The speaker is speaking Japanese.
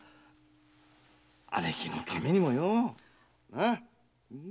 姉貴のためにもよ。